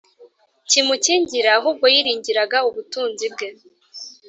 kimukingira Ahubwo yiringiraga ubutunzi bwe